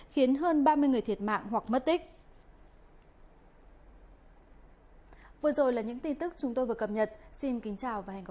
khiến hơn ba mươi người thiệt mạng hoặc mất tích